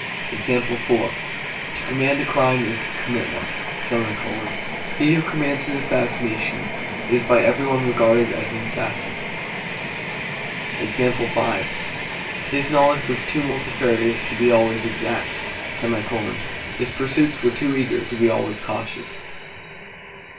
To command a crime is to commit one; he who commands an assassination, is by every one regarded as an assassin. His knowledge was too multifarious to be always exact; his pursuits were too eager to be always cautious.